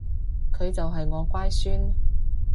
佢就係我乖孫